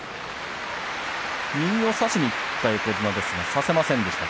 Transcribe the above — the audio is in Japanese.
右を差しにいった横綱ですが差しませんでした。